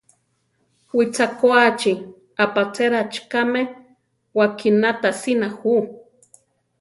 Wichakoáchi, apachérachi kame wakiná tasina ju.